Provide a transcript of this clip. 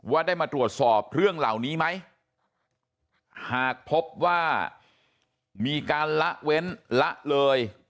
ว่าได้มาตรวจสอบเรื่องเหล่านี้ไหมหากพบว่ามีการละเว้นละเลย